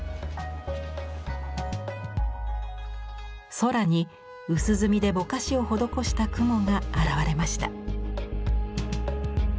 空に薄墨でぼかしを施した雲が現れました。